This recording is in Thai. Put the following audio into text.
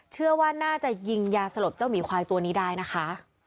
เชื่อว่าน่าจะยิงยาสลบเจ้าหมีควายตัวนี้ได้นะคะ